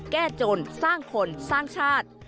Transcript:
แก้จนสร้างคนสร้างชาติ